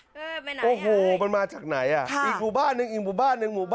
โอ้โหมันมาจากไหนอ่ะอีกหมู่บ้านนึงอีกหมู่บ้านนึง